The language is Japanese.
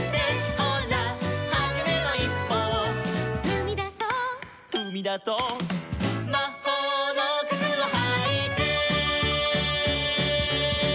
「ほらはじめのいっぽを」「ふみだそう」「ふみだそう」「まほうのくつをはいて」